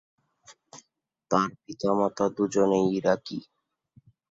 তার পিতা-মাতা দু’জনেই ইরাকি।